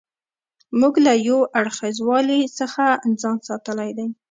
موږ له یو اړخیزوالي څخه ځان ساتلی دی.